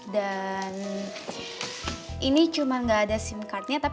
dan ini cuman gak ada sim cardnya